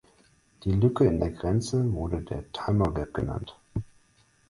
Die Lücke in der Grenze wurde der „Timor Gap“ genannt.